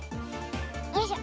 よいしょ。